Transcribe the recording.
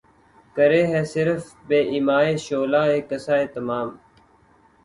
کرے ہے صِرف بہ ایمائے شعلہ قصہ تمام